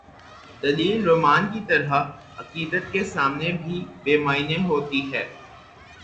دلیل رومان کی طرح، عقیدت کے سامنے بھی بے معنی ہو تی ہے۔